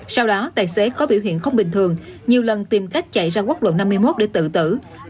sau đó tài xế có biểu hiện không bình thường nhiều lần tìm cách chạy ra quốc lộ năm mươi một để tự tử